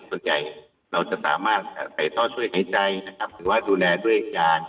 ส่วนใหญ่เราจะสามารถใส่ท่อช่วยหายใจนะครับหรือว่าดูแลด้วยอาการ